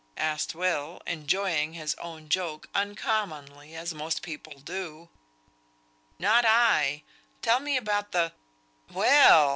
asked Will, enjoying his own joke uncommonly, as most people do. "Not I! Tell me about the " "Well!"